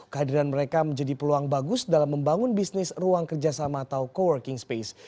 kehadiran mereka menjadi peluang bagus dalam membangun bisnis ruang kerjasama atau co working space